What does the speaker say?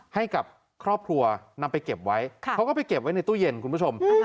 ให้กับครอบครัวนำไปเก็บไว้เขาก็ไปเก็บไว้ในตู้เย็นคุณผู้ชม